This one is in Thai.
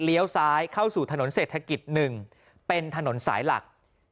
ซ้ายเข้าสู่ถนนเศรษฐกิจ๑เป็นถนนสายหลัก